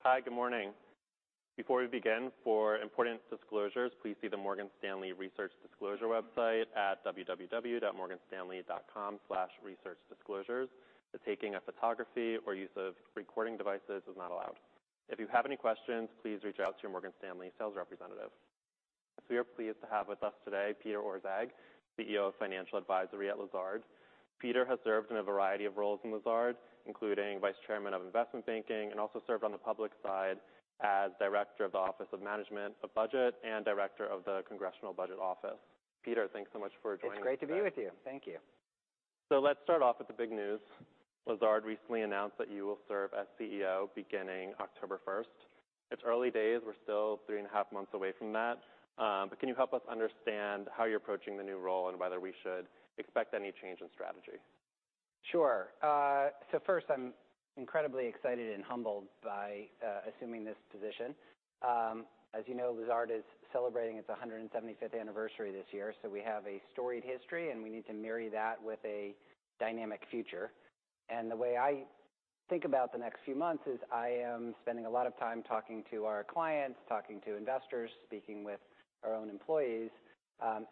Hi, good morning. Before we begin, for important disclosures, please see the Morgan Stanley Research Disclosure website at www.morganstanley.com/researchdisclosures. The taking of photography or use of recording devices is not allowed. If you have any questions, please reach out to your Morgan Stanley sales representative. We are pleased to have with us today Peter Orszag, CEO of Financial Advisory at Lazard. Peter has served in a variety of roles in Lazard, including Vice Chairman of Investment Banking, and also served on the public side as Director of the Office of Management and Budget and Director of the Congressional Budget Office. Peter, thanks so much for joining us. It's great to be with you. Thank you. Let's start off with the big news. Lazard recently announced that you will serve as CEO beginning October 1st. It's early days. We're still three and a half months away from that, but can you help us understand how you're approaching the new role and whether we should expect any change in strategy? Sure. First, I'm incredibly excited and humbled by assuming this position. As you know, Lazard is celebrating its 175th anniversary this year, we have a storied history, we need to marry that with a dynamic future. The way I think about the next few months is I am spending a lot of time talking to our clients, talking to investors, speaking with our own employees,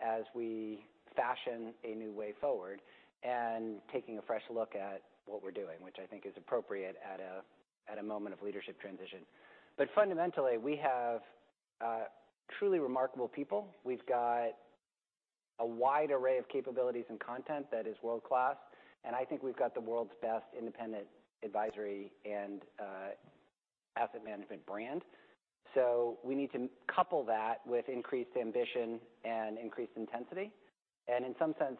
as we fashion a new way forward and taking a fresh look at what we're doing, which I think is appropriate at a moment of leadership transition. Fundamentally, we have truly remarkable people. We've got a wide array of capabilities and content that is world-class, I think we've got the world's best independent advisory and asset management brand. We need to couple that with increased ambition and increased intensity. In some sense,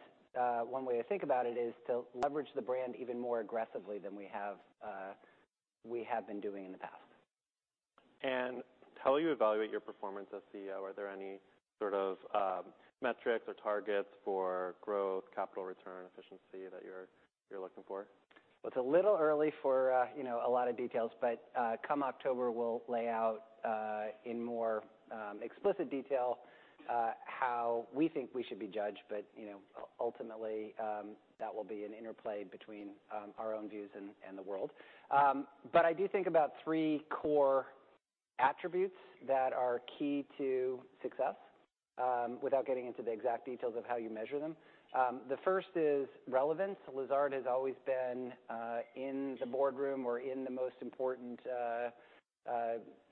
one way to think about it is to leverage the brand even more aggressively than we have, we have been doing in the past. How will you evaluate your performance as CEO? Are there any sort of metrics or targets for growth, capital return, efficiency that you're looking for? It's a little early for, you know, a lot of details, come October, we'll lay out in more explicit detail how we think we should be judged. You know, ultimately, that will be an interplay between our own views and the world. I do think about three core attributes that are key to success, without getting into the exact details of how you measure them. The first is relevance. Lazard has always been in the boardroom or in the most important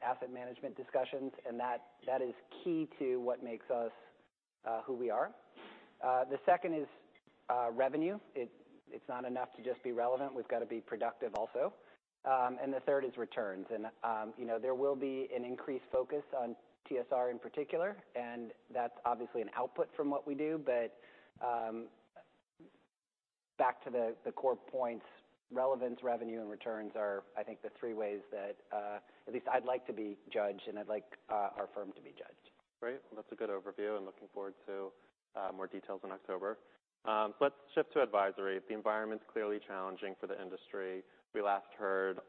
asset management discussions, and that is key to what makes us who we are. The second is revenue. It's not enough to just be relevant. We've got to be productive also. The third is returns. You know, there will be an increased focus on TSR in particular, and that's obviously an output from what we do. Back to the core points, relevance, revenue, and returns are, I think, the three ways that, at least I'd like to be judged, and I'd like our firm to be judged. Well, that's a good overview, and looking forward to more details in October. Let's shift to advisory. The environment's clearly challenging for the industry. We last heard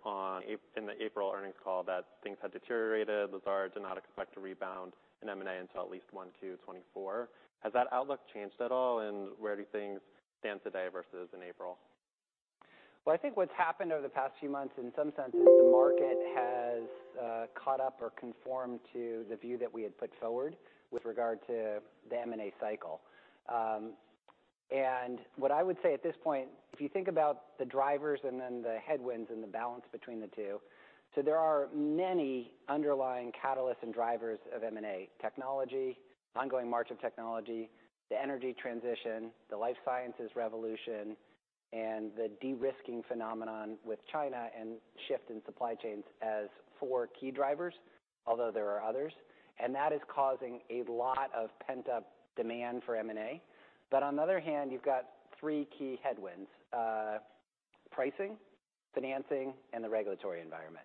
in the April earnings call that things had deteriorated. Lazard did not expect to rebound in M&A until at least 1Q 2024. Has that outlook changed at all, and where do things stand today versus in April? Well, I think what's happened over the past few months, in some sense, is the market has caught up or conformed to the view that we had put forward with regard to the M&A cycle. What I would say at this point, if you think about the drivers and then the headwinds and the balance between the two, there are many underlying catalysts and drivers of M&A: technology, ongoing march of technology, the energy transition, the life sciences revolution, and the de-risking phenomenon with China and shift in supply chains as four key drivers, although there are others, and that is causing a lot of pent-up demand for M&A. On the other hand, you've got three key headwinds: pricing, financing, and the regulatory environment.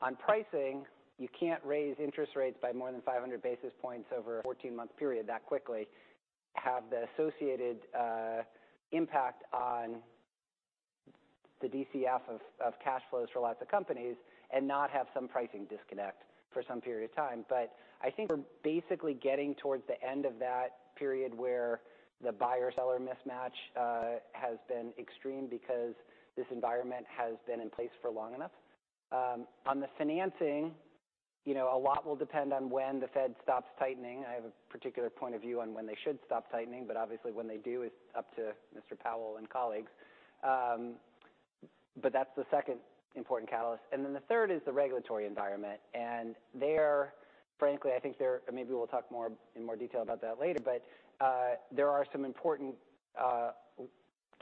On pricing, you can't raise interest rates by more than 500 basis points over a 14-month period that quickly, have the associated impact on the DCF of cash flows for lots of companies, and not have some pricing disconnect for some period of time. I think we're basically getting towards the end of that period where the buyer-seller mismatch has been extreme because this environment has been in place for long enough. On the financing, you know, a lot will depend on when the Fed stops tightening. I have a particular point of view on when they should stop tightening, but obviously, when they do, it's up to Mr. Powell and colleagues. That's the second important catalyst. The third is the regulatory environment, and there, frankly, I think there... Maybe we'll talk more, in more detail about that later, there are some important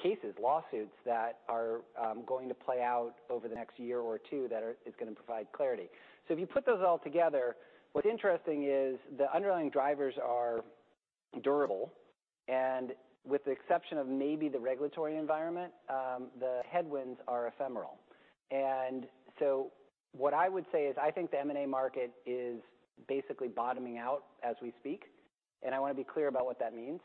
cases, lawsuits that are going to play out over the next year or two that is gonna provide clarity. If you put those all together, what's interesting is the underlying drivers are durable, and with the exception of maybe the regulatory environment, the headwinds are ephemeral. What I would say is, I think the M&A market is basically bottoming out as we speak, and I want to be clear about what that means.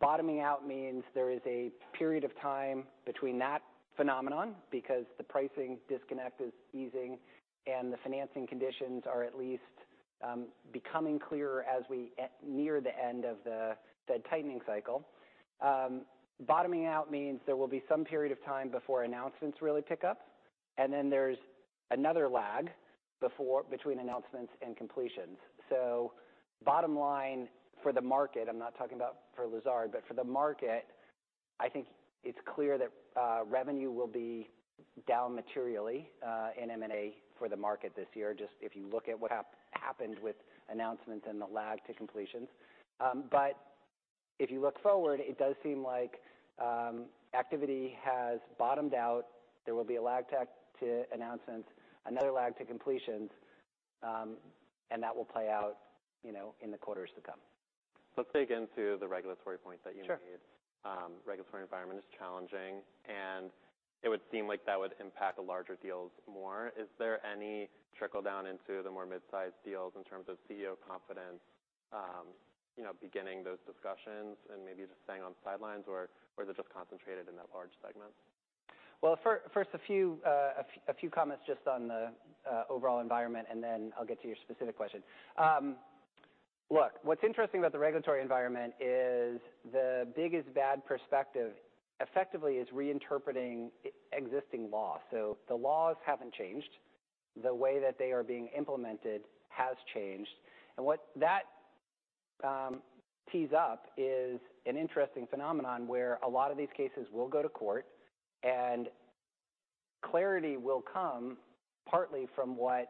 Bottoming out means there is a period of time between that phenomenon, because the pricing disconnect is easing and the financing conditions are at least becoming clearer as we near the end of the Fed tightening cycle. Bottoming out means there will be some period of time before announcements really pick up, and then there's another lag between announcements and completions. Bottom line for the market, I'm not talking about for Lazard, but for the market, I think it's clear that revenue will be down materially in M&A for the market this year. Just if you look at what happened with announcements and the lag to completions. If you look forward, it does seem like activity has bottomed out. There will be a lag to announcements, another lag to completions, and that will play out, you know, in the quarters to come. Let's dig into the regulatory point that you made. Sure. Regulatory environment is challenging. It would seem like that would impact the larger deals more. Is there any trickle down into the more mid-sized deals in terms of CEO confidence, you know, beginning those discussions and maybe just staying on the sidelines, or is it just concentrated in that large segment? Well, first, a few comments just on the overall environment, and then I'll get to your specific question. Look, what's interesting about the regulatory environment is the biggest bad perspective effectively is reinterpreting existing law. The laws haven't changed. The way that they are being implemented has changed, and what that tees up is an interesting phenomenon where a lot of these cases will go to court, and clarity will come partly from what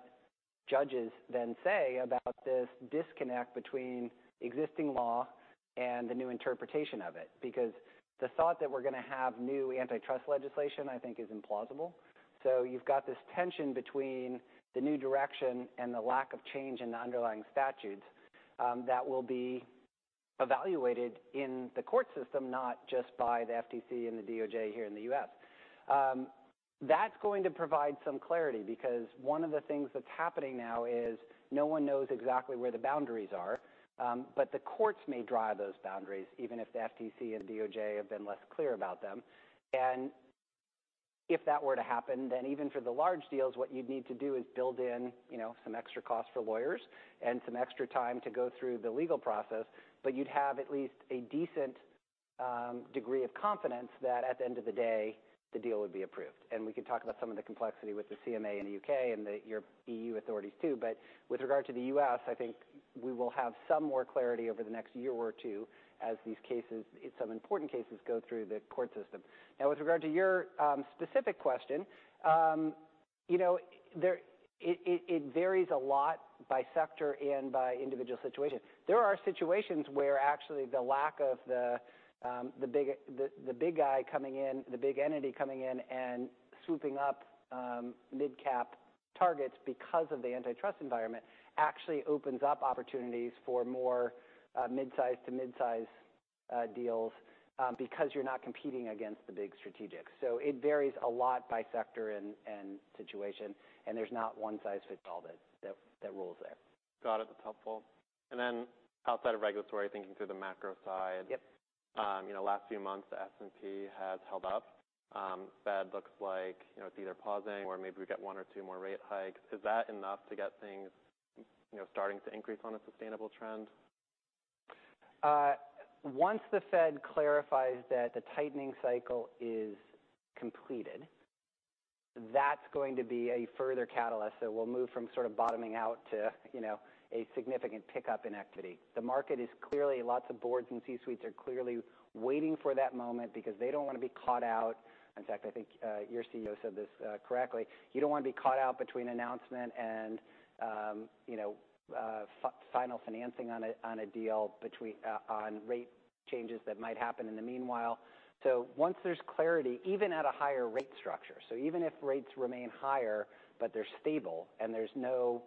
judges then say about this disconnect between existing law and the new interpretation of it. The thought that we're gonna have new antitrust legislation, I think is implausible. You've got this tension between the new direction and the lack of change in the underlying statutes, that will be evaluated in the court system, not just by the FTC and the DOJ here in the U.S. That's going to provide some clarity because one of the things that's happening now is no one knows exactly where the boundaries are, but the courts may draw those boundaries, even if the FTC and DOJ have been less clear about them. If that were to happen, then even for the large deals, what you'd need to do is build in, you know, some extra costs for lawyers and some extra time to go through the legal process, but you'd have at least a decent degree of confidence that at the end of the day, the deal would be approved. We can talk about some of the complexity with the CMA in the U.K. and your EU authorities, too. With regard to the U.S., I think we will have some more clarity over the next year or two as these cases, some important cases, go through the court system. With regard to your specific question, you know, it varies a lot by sector and by individual situations. There are situations where actually the lack of the big guy coming in, the big entity coming in and swooping up mid-cap targets because of the antitrust environment, actually opens up opportunities for more mid-size to mid-size deals because you're not competing against the big strategics. It varies a lot by sector and situation, and there's not one size fits all that, that rules there. Got it. That's helpful. Then outside of regulatory, thinking through the macro side- Yep. You know, last few months, the S&P has held up. Fed looks like, you know, it's either pausing or maybe we get one or two more rate hikes. Is that enough to get things, you know, starting to increase on a sustainable trend? Once the Fed clarifies that the tightening cycle is completed, that's going to be a further catalyst, so we'll move from sort of bottoming out to, you know, a significant pickup in activity. Lots of boards and C-suites are clearly waiting for that moment because they don't wanna be caught out. In fact, I think, your CEO said this correctly: You don't wanna be caught out between announcement and, you know, final financing on a, on a deal between, on rate changes that might happen in the meanwhile. Once there's clarity, even at a higher rate structure, so even if rates remain higher, but they're stable and there's no,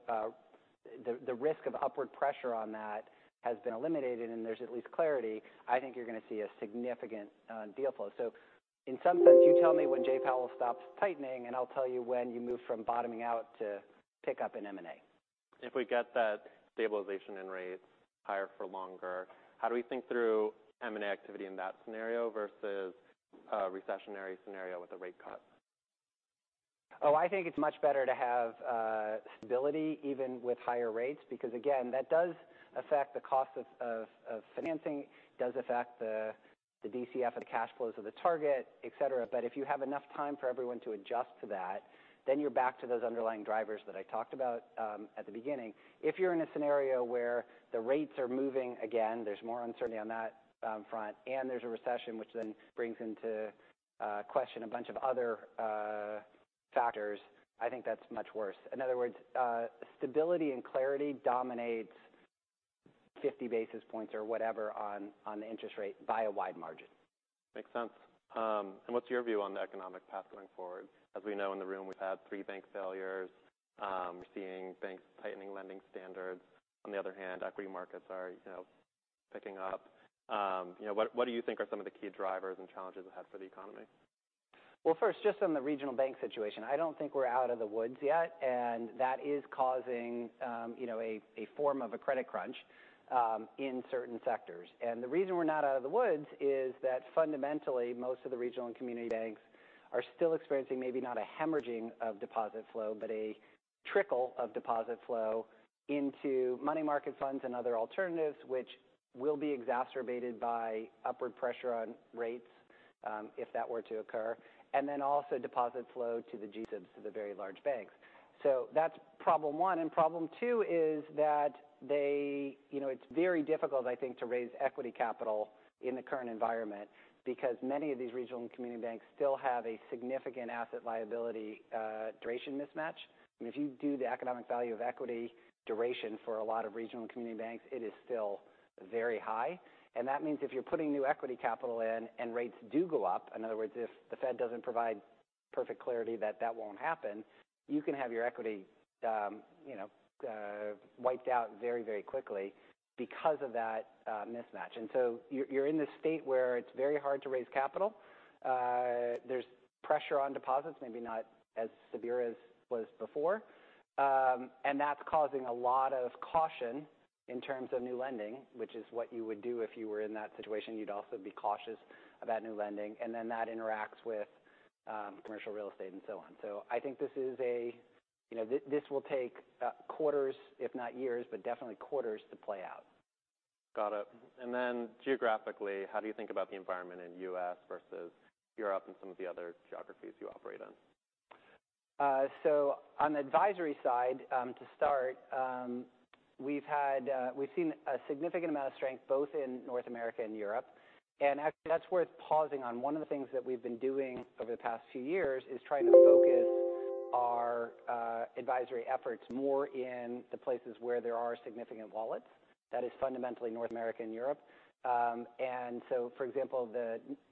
the risk of upward pressure on that has been eliminated and there's at least clarity, I think you're gonna see a significant deal flow. In some sense, you tell me when Jerome Powell stops tightening, and I'll tell you when you move from bottoming out to pick up in M&A. If we get that stabilization in rates higher for longer, how do we think through M&A activity in that scenario versus a recessionary scenario with a rate cut? I think it's much better to have stability, even with higher rates, because again, that does affect the cost of financing, does affect the DCF of the cash flows of the target, et cetera. If you have enough time for everyone to adjust to that, then you're back to those underlying drivers that I talked about at the beginning. If you're in a scenario where the rates are moving again, there's more uncertainty on that front, and there's a recession, which then brings into question a bunch of other factors, I think that's much worse. In other words, stability and clarity dominates 50 basis points or whatever on the interest rate by a wide margin. Makes sense. What's your view on the economic path going forward? As we know in the room, we've had three bank failures. We're seeing banks tightening lending standards. On the other hand, equity markets are, you know, picking up. You know, what do you think are some of the key drivers and challenges ahead for the economy? Well, first, just on the regional bank situation, I don't think we're out of the woods yet, and that is causing, you know, a form of a credit crunch in certain sectors. The reason we're not out of the woods is that fundamentally, most of the regional and community banks are still experiencing maybe not a hemorrhaging of deposit flow, but a trickle of deposit flow into money market funds and other alternatives, which will be exacerbated by upward pressure on rates if that were to occur. Also deposit flow to the G-SIBs, to the very large banks. That's problem one, and problem two is that they, you know, it's very difficult, I think, to raise equity capital in the current environment, because many of these regional and community banks still have a significant asset liability duration mismatch. If you do the economic value of equity duration for a lot of regional and community banks, it is still very high. That means if you're putting new equity capital in, and rates do go up, in other words, if the Fed doesn't provide perfect clarity that that won't happen, you can have your equity, you know, wiped out very, very quickly because of that mismatch. You're in this state where it's very hard to raise capital. There's pressure on deposits, maybe not as severe as was before. That's causing a lot of caution in terms of new lending, which is what you would do if you were in that situation. You'd also be cautious about new lending, and then that interacts with commercial real estate and so on. I think this is a, you know, this will take, quarters, if not years, but definitely quarters to play out. Got it. Geographically, how do you think about the environment in U.S. versus Europe and some of the other geographies you operate in? On the advisory side, to start, we've seen a significant amount of strength both in North America and Europe. Actually, that's worth pausing on. One of the things that we've been doing over the past few years is trying to focus our advisory efforts more in the places where there are significant wallets. That is fundamentally North America and Europe. For example,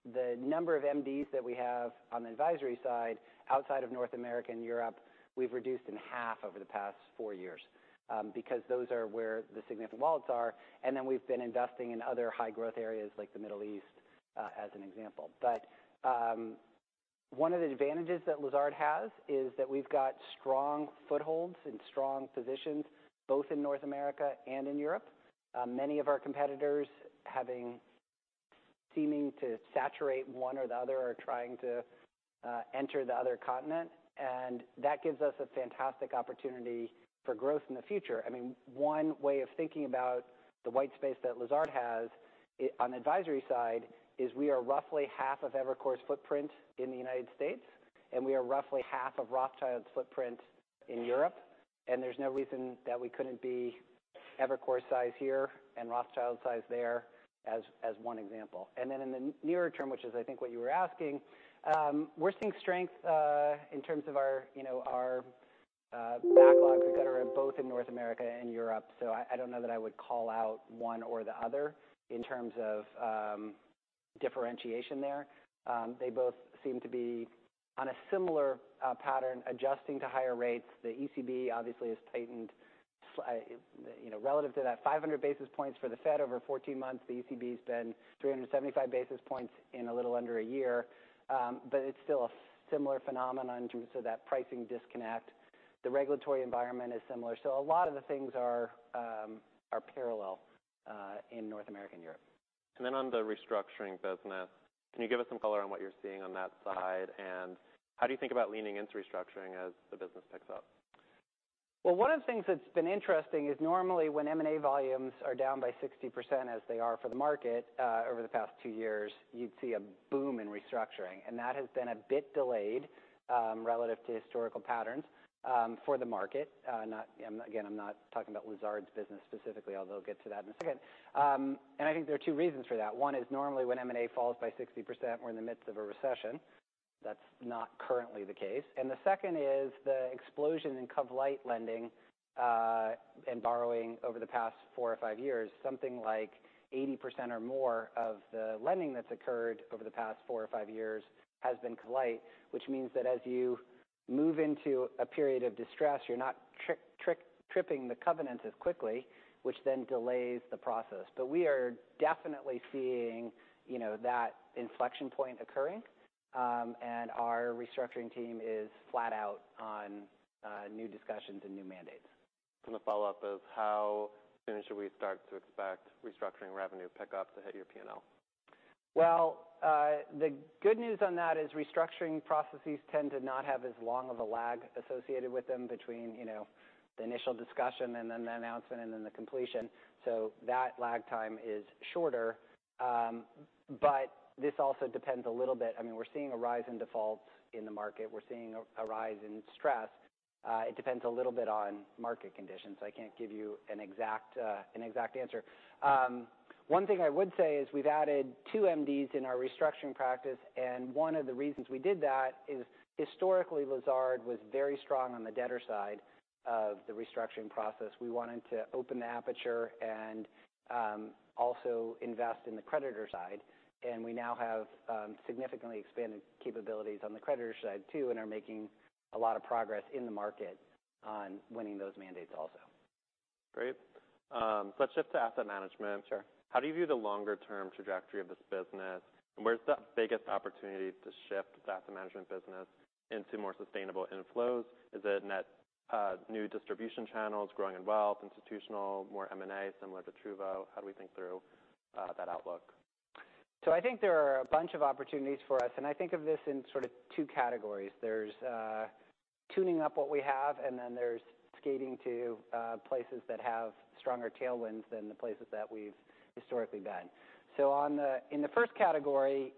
the number of MDs that we have on the advisory side, outside of North America and Europe, we've reduced in half over the past four years because those are where the significant wallets are. We've been investing in other high growth areas like the Middle East as an example. One of the advantages that Lazard has is that we've got strong footholds and strong positions, both in North America and in Europe. Many of our competitors, seeming to saturate one or the other, are trying to enter the other continent, and that gives us a fantastic opportunity for growth in the future. I mean, one way of thinking about the white space that Lazard has on the advisory side, is we are roughly half of Evercore's footprint in the United States, and we are roughly half of Rothschild's footprint in Europe, and there's no reason that we couldn't be Evercore's size here and Rothschild's size there as one example. In the nearer term, which is I think what you were asking, we're seeing strength in terms of our, you know, our backlogs that are both in North America and Europe. I don't know that I would call out one or the other in terms of differentiation there. They both seem to be on a similar pattern, adjusting to higher rates. The ECB obviously has tightened, you know, relative to that 500 basis points for the Fed over 14 months, the ECB has been 375 basis points in a little under a year. It's still a similar phenomenon in terms of that pricing disconnect. The regulatory environment is similar. A lot of the things are parallel in North America and Europe. On the restructuring business, can you give us some color on what you're seeing on that side? How do you think about leaning into restructuring as the business picks up? Well, one of the things that's been interesting is normally when M&A volumes are down by 60%, as they are for the market, over the past two years, you'd see a boom in restructuring, and that has been a bit delayed, relative to historical patterns, for the market. Again, I'm not talking about Lazard's business specifically, although I'll get to that in a second. I think there are two reasons for that. One is normally when M&A falls by 60%, we're in the midst of a recession. That's not currently the case. The second is the explosion in cov-lite lending, and borrowing over the past four or five years. Something like 80% or more of the lending that's occurred over the past four or five years has been cov-lite, which means that as you move into a period of distress, you're not tripping the covenants as quickly, which then delays the process. We are definitely seeing, you know, that inflection point occurring, and our restructuring team is flat out on new discussions and new mandates. The follow-up is, how soon should we start to expect restructuring revenue pick up to hit your PNL? The good news on that is restructuring processes tend to not have as long of a lag associated with them between, you know, the initial discussion and then the announcement and then the completion. That lag time is shorter. This also depends a little bit. I mean, we're seeing a rise in defaults in the market. We're seeing a rise in stress. It depends a little bit on market conditions. I can't give you an exact answer. One thing I would say is we've added two MDs in our restructuring practice. One of the reasons we did that is historically, Lazard was very strong on the debtor side of the restructuring process. We wanted to open the aperture and, also invest in the creditor side, and we now have, significantly expanded capabilities on the creditor side, too, and are making a lot of progress in the market on winning those mandates also. Great. Let's shift to asset management. Sure. How do you view the longer-term trajectory of this business? Where's the biggest opportunity to shift the asset management business into more sustainable inflows? Is it net new distribution channels, growing in wealth, institutional, more M&A, similar to Truvvo? How do we think through that outlook? I think there are a bunch of opportunities for us, and I think of this in sort of two categories. There's tuning up what we have, and then there's skating to places that have stronger tailwinds than the places that we've historically been. In the first category,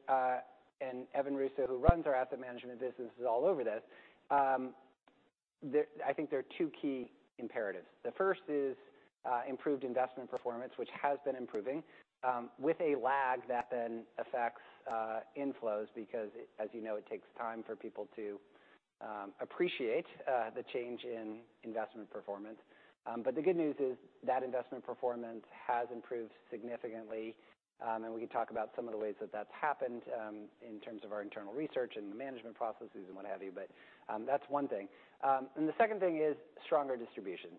and Evan Russo, who runs our Asset Management business, is all over this. I think there are two key imperatives. The first is improved investment performance, which has been improving, with a lag that then affects inflows, because as you know, it takes time for people to appreciate the change in investment performance. The good news is that investment performance has improved significantly, and we can talk about some of the ways that that's happened, in terms of our internal research and the management processes and what have you. That's one thing. The second thing is stronger distribution.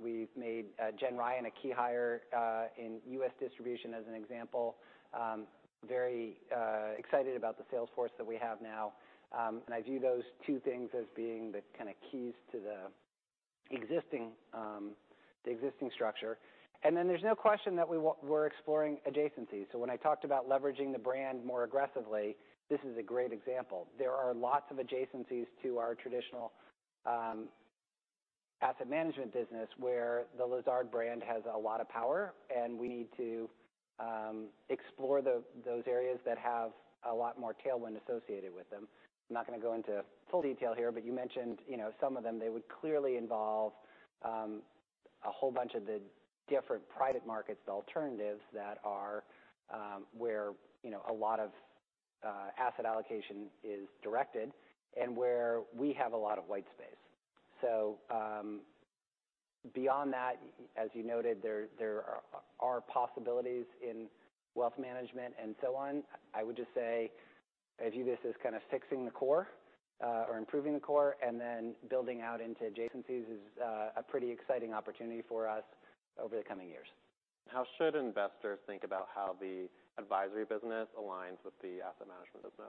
We've made Jennifer Ryan a key hire in U.S. distribution, as an example. Very excited about the sales force that we have now. I view those two things as being the kinda keys to the existing, the existing structure. There's no question that we're exploring adjacencies. When I talked about leveraging the brand more aggressively, this is a great example. There are lots of adjacencies to our traditional asset management business, where the Lazard brand has a lot of power, and we need to explore those areas that have a lot more tailwind associated with them. I'm not gonna go into full detail here, but you mentioned, you know, some of them. They would clearly involve a whole bunch of the different private markets, the alternatives that are where, you know, a lot of asset allocation is directed and where we have a lot of white space. Beyond that, as you noted, there are possibilities in wealth management and so on. I would just say, I view this as kind of fixing the core, or improving the core, and then building out into adjacencies is a pretty exciting opportunity for us over the coming years. How should investors think about how the advisory business aligns with the asset management business?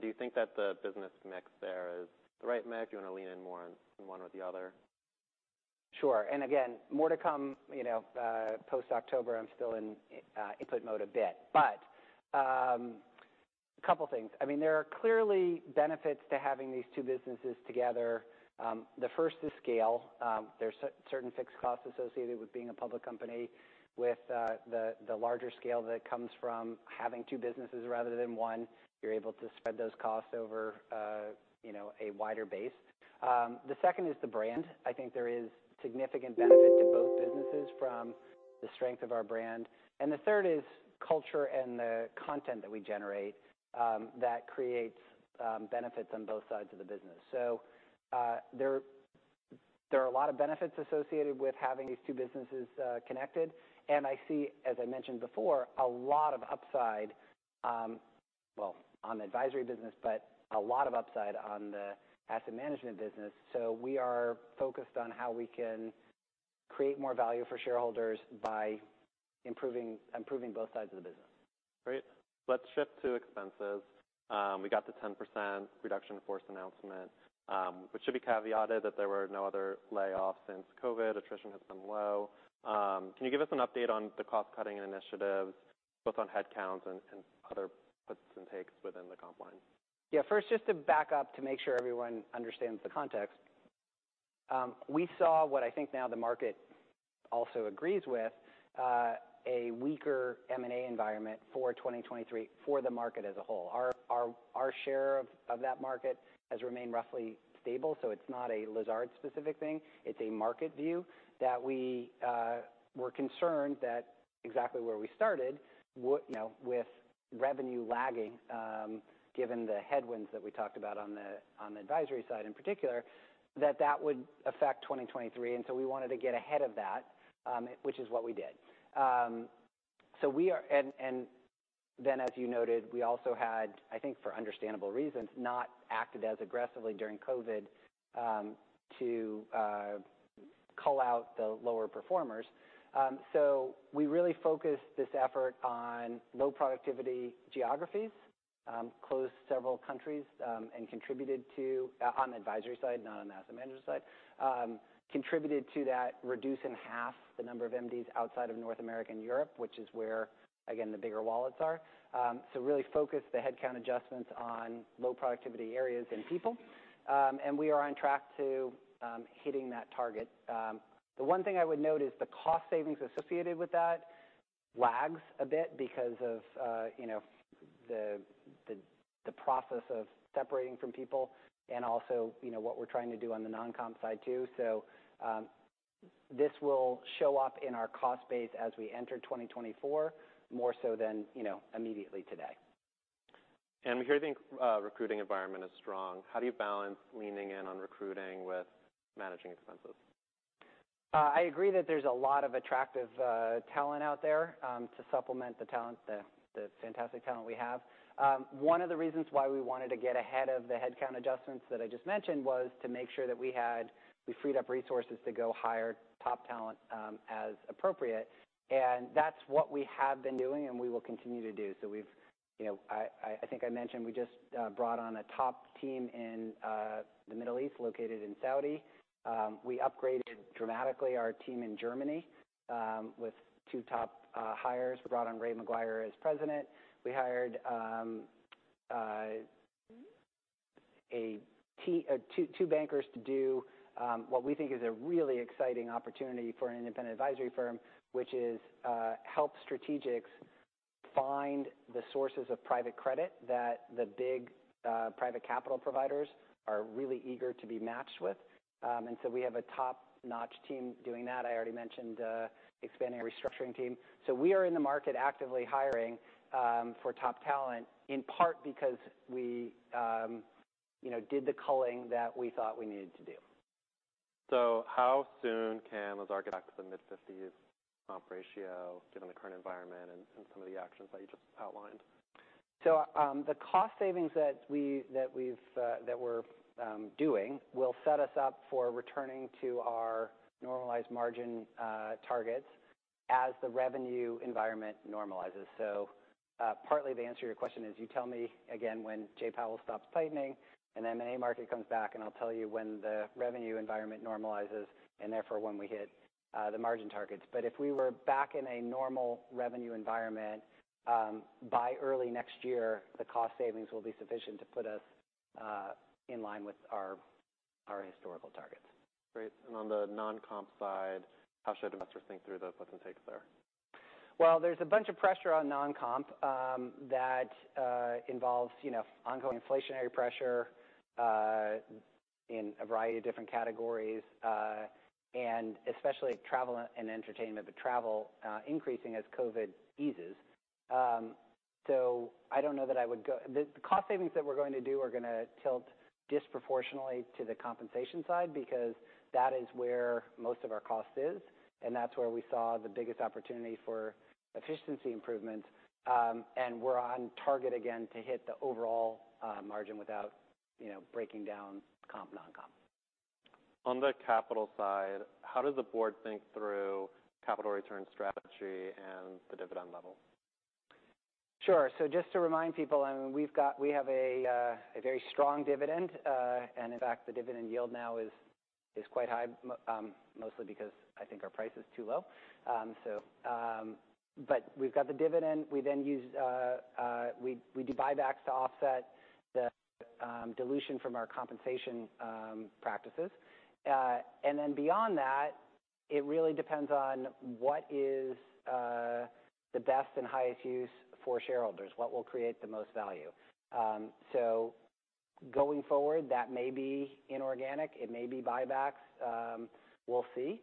Do you think that the business mix there is the right mix? Do you want to lean in more on one or the other? Sure. Again, more to come, you know, post-October. I'm still in input mode a bit. A couple things. I mean, there are clearly benefits to having these two businesses together. The first is scale. There's certain fixed costs associated with being a public company. With the larger scale that comes from having two businesses rather than one, you're able to spread those costs over, you know, a wider base. The second is the brand. I think there is significant benefit to both businesses from the strength of our brand. The third is culture and the content that we generate, that creates benefits on both sides of the business. There are a lot of benefits associated with having these two businesses connected, and I see, as I mentioned before, a lot of upside, well, on the advisory business, but a lot of upside on the asset management business. We are focused on how we can create more value for shareholders by improving both sides of the business. Great. Let's shift to expenses. We got the 10% reduction force announcement, which should be caveated that there were no other layoffs since COVID. Attrition has been low. Can you give us an update on the cost-cutting initiatives, both on headcounts and other puts and takes within the comp line? Yeah. First, just to back up to make sure everyone understands the context, we saw what I think now the market also agrees with, a weaker M&A environment for 2023 for the market as a whole. Our share of that market has remained roughly stable, so it's not a Lazard-specific thing. It's a market view that we were concerned that exactly where we started, you know, with revenue lagging, given the headwinds that we talked about on the advisory side in particular, that that would affect 2023. We wanted to get ahead of that, which is what we did. As you noted, we also had, I think for understandable reasons, not acted as aggressively during COVID, to cull out the lower performers. We really focused this effort on low productivity geographies, closed several countries, and contributed to, on the advisory side, not on the asset management side, contributed to that reduce in half the number of MDs outside of North America and Europe, which is where, again, the bigger wallets are. Really focus the headcount adjustments on low productivity areas and people. We are on track to hitting that target. The one thing I would note is the cost savings associated with that lags a bit because of, you know, the, the process of separating from people and also, you know, what we're trying to do on the non-comp side, too. This will show up in our cost base as we enter 2024, more so than, you know, immediately today. We hear the recruiting environment is strong. How do you balance leaning in on recruiting with managing expenses? I agree that there's a lot of attractive talent out there to supplement the fantastic talent we have. One of the reasons why we wanted to get ahead of the headcount adjustments that I just mentioned was to make sure that we freed up resources to go hire top talent as appropriate. That's what we have been doing, and we will continue to do. You know, I think I mentioned, we just brought on a top team in the Middle East, located in Saudi. We upgraded dramatically our team in Germany with two top hires. We brought on Ray McGuire as President. We hired two bankers to do what we think is a really exciting opportunity for an independent advisory firm, which is help strategics find the sources of private credit that the big private capital providers are really eager to be matched with. We have a top-notch team doing that. I already mentioned expanding our restructuring team. We are in the market actively hiring for top talent, in part because we, you know, did the culling that we thought we needed to do. How soon can Lazard get back to the mid-fifties comp ratio, given the current environment and some of the actions that you just outlined? The cost savings that we've that we're doing will set us up for returning to our normalized margin targets as the revenue environment normalizes. Partly the answer to your question is, you tell me again when J. Powell stops tightening and the M&A market comes back, and I'll tell you when the revenue environment normalizes, and therefore, when we hit the margin targets. If we were back in a normal revenue environment, by early next year, the cost savings will be sufficient to put us in line with our historical targets. Great. On the non-comp side, how should investors think through the puts and takes there? There's a bunch of pressure on non-comp that involves, you know, ongoing inflationary pressure in a variety of different categories, and especially travel and entertainment, but travel increasing as COVID eases. I don't know that I would go. The cost savings that we're going to do are gonna tilt disproportionately to the compensation side because that is where most of our cost is, and that's where we saw the biggest opportunity for efficiency improvements. We're on target again to hit the overall margin without, you know, breaking down comp, non-comp. On the capital side, how does the board think through capital return strategy and the dividend level? Sure. Just to remind people, we have a very strong dividend, and in fact, the dividend yield now is quite high, mostly because I think our price is too low. We've got the dividend. We then use. We do buybacks to offset the dilution from our compensation practices. Beyond that, it really depends on what is the best and highest use for shareholders, what will create the most value. Going forward, that may be inorganic, it may be buybacks. We'll see.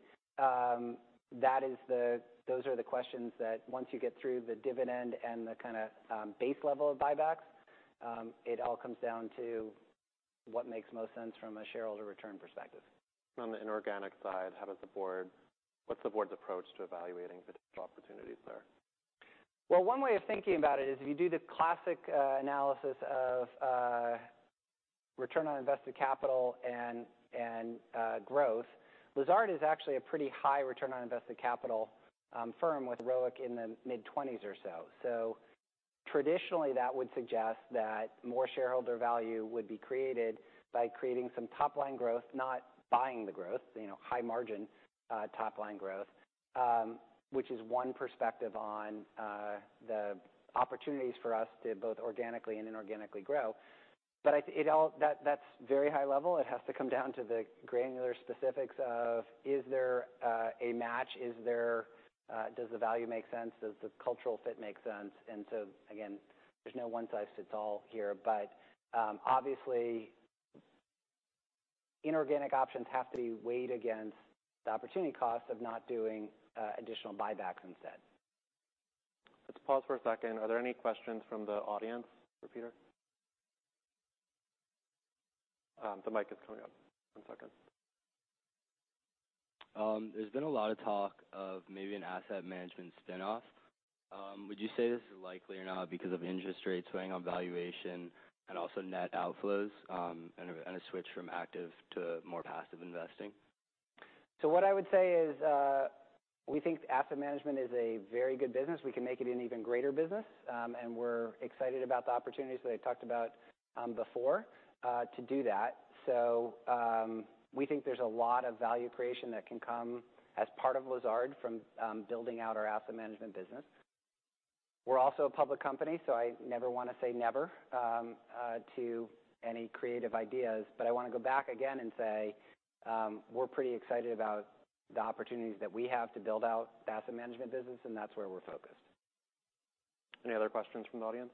Those are the questions that once you get through the dividend and the kind of base level of buybacks, it all comes down to what makes most sense from a shareholder return perspective. On the inorganic side, What's the board's approach to evaluating the potential opportunities there? One way of thinking about it is, if you do the classic analysis of return on invested capital and growth, Lazard is actually a pretty high return on invested capital firm with ROIC in the mid-20s or so. Traditionally, that would suggest that more shareholder value would be created by creating some top-line growth, not buying the growth, you know, high margin, top-line growth, which is one perspective on the opportunities for us to both organically and inorganically grow. That's very high level. It has to come down to the granular specifics of: Is there a match? Is there? Does the value make sense? Does the cultural fit make sense? Again, there's no one-size-fits-all here, but, obviously, inorganic options have to be weighed against the opportunity cost of not doing, additional buybacks instead. Let's pause for a 1 second. Are there any questions from the audience for Peter? The mic is coming up. 1 second. There's been a lot of talk of maybe an asset management spinoff. Would you say this is likely or not because of interest rates weighing on valuation and also net outflows, and a switch from active to more passive investing? What I would say is, we think asset management is a very good business. We can make it an even greater business, and we're excited about the opportunities that I talked about before to do that. We think there's a lot of value creation that can come as part of Lazard from building out our asset management business. We're also a public company, so I never want to say never to any creative ideas, but I want to go back again and say, we're pretty excited about the opportunities that we have to build out the asset management business, and that's where we're focused. Any other questions from the audience?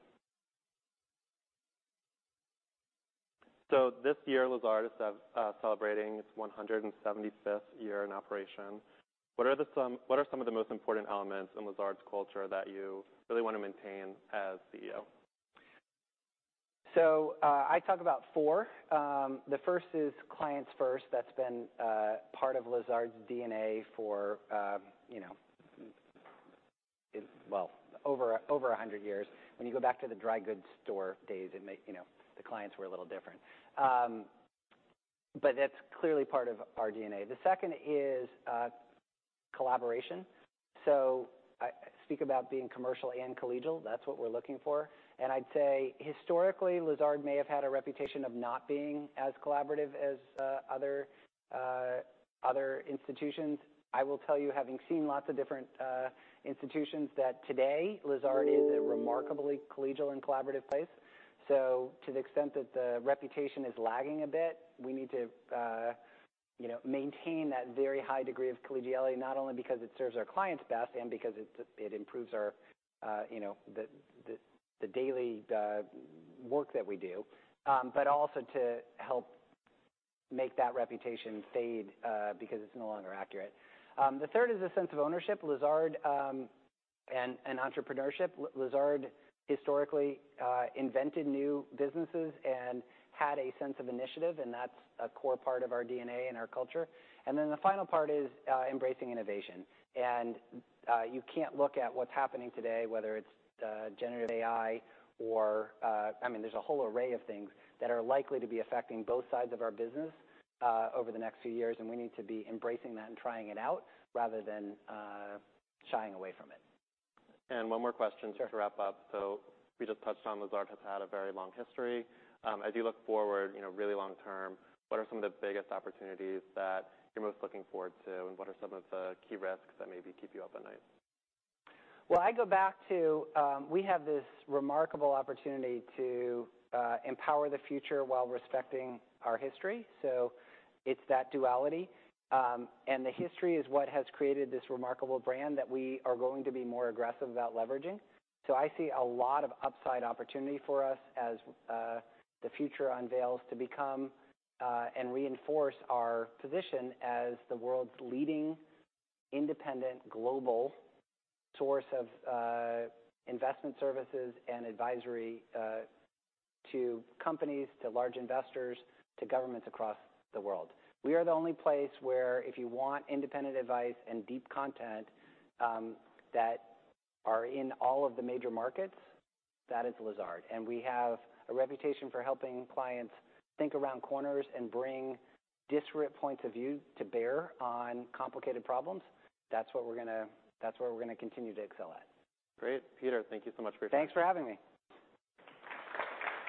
This year, Lazard is celebrating its 175th year in operation. What are some of the most important elements in Lazard's culture that you really want to maintain as CEO? I talk about four. The first is clients first. That's been part of Lazard's DNA for, you know, well, over a hundred years. When you go back to the dry goods store days, it may, you know, the clients were a little different. But that's clearly part of our DNA. The second is collaboration. I speak about being commercial and collegial, that's what we're looking for. I'd say historically, Lazard may have had a reputation of not being as collaborative as other institutions. I will tell you, having seen lots of different institutions, that today Lazard is a remarkably collegial and collaborative place. To the extent that the reputation is lagging a bit, we need to, you know, maintain that very high degree of collegiality, not only because it serves our clients best and because it improves our, you know, the, the daily, work that we do, but also to help make that reputation fade, because it's no longer accurate. The third is a sense of ownership. Lazard, and entrepreneurship. Lazard historically, invented new businesses and had a sense of initiative, and that's a core part of our DNA and our culture. The final part is embracing innovation. You can't look at what's happening today, whether it's generative AI or... I mean, there's a whole array of things that are likely to be affecting both sides of our business, over the next few years, and we need to be embracing that and trying it out rather than, shying away from it. One more question. Sure. - to wrap up. We just touched on Lazard has had a very long history. As you look forward, you know, really long term, what are some of the biggest opportunities that you're most looking forward to, and what are some of the key risks that maybe keep you up at night? I go back to, we have this remarkable opportunity to empower the future while respecting our history, so it's that duality. The history is what has created this remarkable brand that we are going to be more aggressive about leveraging. I see a lot of upside opportunity for us as the future unveils, to become and reinforce our position as the world's leading independent global source of investment services and advisory to companies, to large investors, to governments across the world. We are the only place where if you want independent advice and deep content, that are in all of the major markets, that is Lazard. We have a reputation for helping clients think around corners and bring disparate points of view to bear on complicated problems. That's where we're gonna continue to excel at. Great! Peter, thank you so much for your time. Thanks for having me.